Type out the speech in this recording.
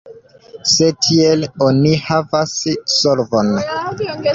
Se tiel, oni havas solvon.